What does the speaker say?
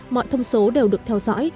mọi thông số đều được theo dõi